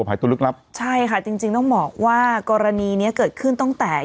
ภัยตัวลึกลับใช่ค่ะจริงจริงต้องบอกว่ากรณีเนี้ยเกิดขึ้นตั้งแต่